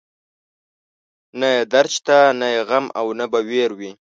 نه يې درد شته، نه يې غم او نه به وير وي